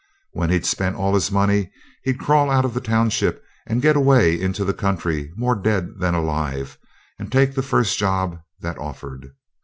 When he'd spent all his money he'd crawl out of the township and get away into the country more dead than alive, and take the first job that offered.